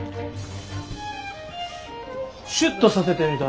シュッとさせてみたらどやろ？